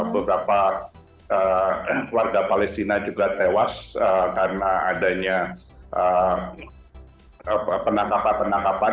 beberapa warga palestina juga tewas karena adanya penangkapan penangkapan